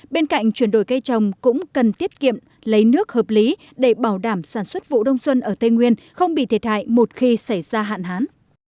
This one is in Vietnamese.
bên cạnh chuyển đổi cây trồng cũng cần tiết kiệm lấy nước hợp lý để bảo đảm sản xuất vụ đông xuân ở tây nguyên không bị thiệt hại một khi xảy ra hạn hán